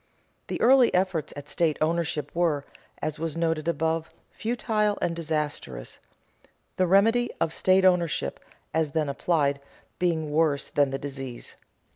The early efforts at state ownership were, as was noted above, futile and disastrous, the remedy of state ownership, as then applied, being worse than the disease.